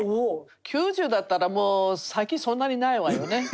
９０だったらもう先そんなにないわよね。